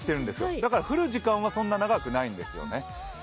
だから降る時間はそんな長くないんですよね。